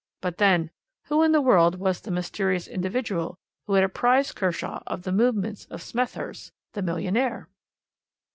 But then, who in the world was the mysterious individual who had apprised Kershaw of the movements of Smethurst, the millionaire?"